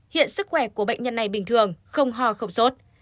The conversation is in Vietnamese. hiện sức khỏe của bệnh nhân này bình thường không ho không sốt